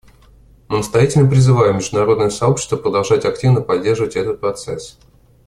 Мы настоятельно призываем международное сообщество продолжать активно поддерживать этот процесс.